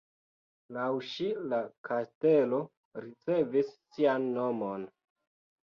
Laŭ ŝi la kastelo ricevis sian nomon.